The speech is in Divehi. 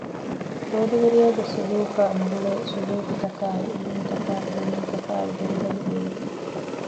ރޯދަވެރިޔާގެ ސުލޫކާ ނުގުޅޭ ސުލޫކުތަކާއި އުޅުންތަކާއި ގުޅުންތަކާ ދުރުހެލި ވެވިގެން